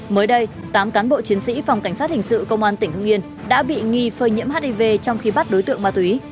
mới đây tám cán bộ chiến sĩ phòng cảnh sát hình sự công an tỉnh hưng yên đã bị nghi phơi nhiễm hiv trong khi bắt đối tượng ma túy